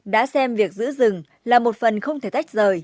đã xem việc giữ rừng là một phần không thể tách rời